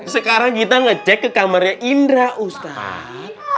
sekarang kita ngecek ke kamarnya indra ustadz